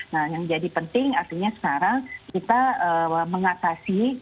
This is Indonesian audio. nah yang jadi penting artinya sekarang kita mengatasi